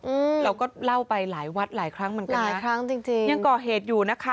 อืมเราก็เล่าไปหลายวัดหลายครั้งเหมือนกันหลายครั้งจริงจริงยังก่อเหตุอยู่นะคะ